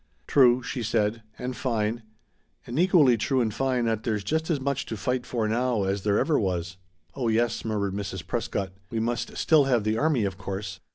"True," she said. "And fine. And equally true and fine that there's just as much to fight for now as there ever was." "Oh yes," murmured Mrs. Prescott, "we must still have the army, of course."